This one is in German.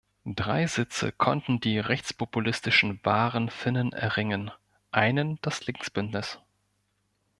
Drei Sitze konnten die rechtspopulistischen „Wahren Finnen“ erringen, einen das Linksbündnis.